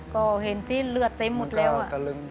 ก็เห็นที่เลือดเต็มหมดแล้ว